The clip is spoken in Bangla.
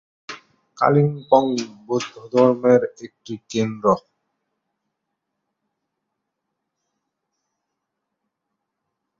কালিম্পং বৌদ্ধধর্মের একটি কেন্দ্র।